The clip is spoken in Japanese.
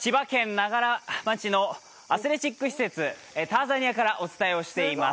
長柄町のアスレチック施設、ターザニアからお伝えしています。